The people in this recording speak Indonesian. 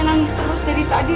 nangis terus dari tadi